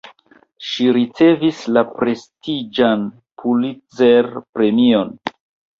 Ŝi ricevis la prestiĝan Pulitzer-premion.